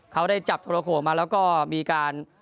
เขาได้จับโทรโขมาแล้วก็มีการ